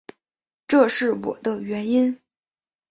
这是我的原因